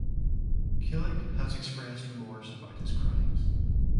Killick has expressed remorse about his crimes.